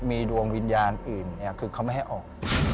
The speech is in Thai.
มีดวงวิญญาณอื่นคือเขาไม่ให้ออก